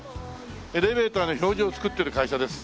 「エレベーターの表示をつくっている会社です」。